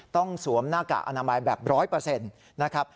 ต้องสวมหน้ากากอนามัยแบบ๑๐๐